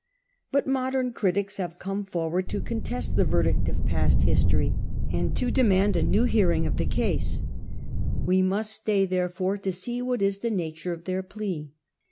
But modem critics have come fonvard to contest the verdict of past history, and to demand a new hearing Tiberius. A u 14 37. 67 of the case. We must stay, therefore, to see what is the nature of their plea.